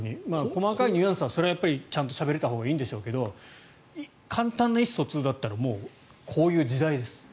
細かいニュアンスはちゃんとしゃべれたほうがいいんですが簡単な意思疎通だったらこういう時代です。